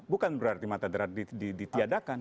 bukan berarti mata darat ditiadakan